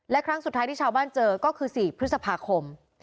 และครั้งสุดท้ายที่ชาวบ้านเจอก็คือ๔พฤษภาคม